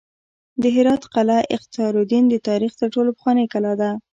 د هرات قلعه اختیارالدین د تاریخ تر ټولو پخوانۍ کلا ده